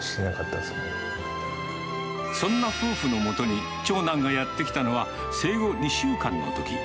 そんな夫婦のもとに、長男がやって来たのは、生後２週間のとき。